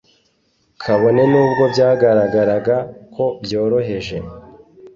Kabone n'ubwo byagaragaraga ko byoroheje,